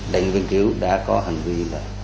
đánh viên cứu đã có hành vi